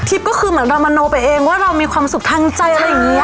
ทิศก็แบบเรามาโนไปเองว่ามีความสุขทางใจอะไรอย่างเงี้ย